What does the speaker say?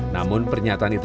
tapi benar pak